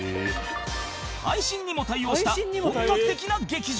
配信にも対応した本格的な劇場